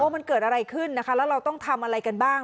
มันเกิดอะไรขึ้นนะคะแล้วเราต้องทำอะไรกันบ้าง